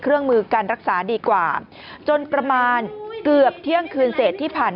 เครื่องมือการรักษาดีกว่าจนประมาณเกือบเที่ยงคืนเศษที่ผ่าน